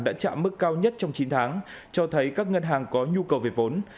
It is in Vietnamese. đã chạm mức cao nhất trong chín tháng cho thấy các ngân hàng có nhu cầu về vốn